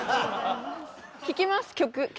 聴きます曲。